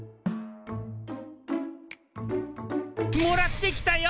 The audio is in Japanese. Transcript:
もらってきたよ